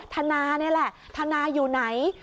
ธนานี่แหละธนาอยู่ไหน